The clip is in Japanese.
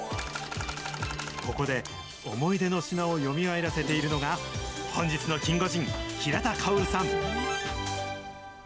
ここで思い出の品をよみがえらせているのが、本日のキンゴジン、平田薫さん。